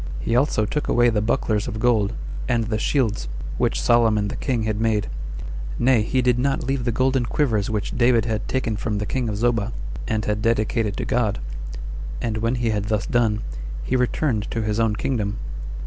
He also took away the bucklers of gold, and the shields, which Solomon the king had made; nay, he did not leave the golden quivers which David had taken from the king of Zobah, and had dedicated to God; and when he had thus done, he returned to his own kingdom.